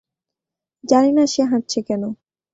জানি না সে হাঁটছে কেন?